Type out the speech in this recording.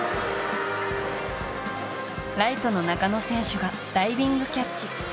ライトの中野選手がダイビングキャッチ。